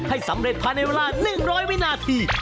ให้สำเร็จภายในเวลา๑๐๐วินาที